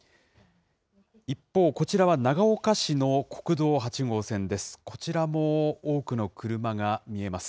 一方、こちらは長岡市の国道８号線です。